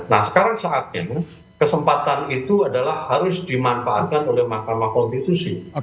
nah sekarang saatnya kesempatan itu adalah harus dimanfaatkan oleh mahkamah konstitusi